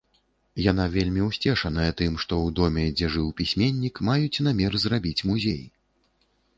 Яна вельмі ўсцешаная тым, што ў доме, дзе жыў пісьменнік, маюць намер зрабіць музей.